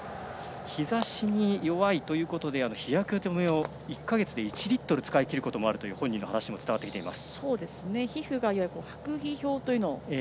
日ざしに弱いということで日焼け止めを１か月で１リットル使うこともあるという本人の話も伝わってきます。